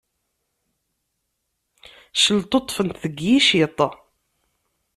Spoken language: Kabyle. Celṭuṭṭfent deg yiciṭ.